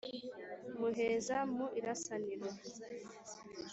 Muheza mu irasaniro